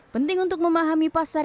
penting untuk memahami pasar